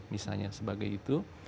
misalnya sebagai itu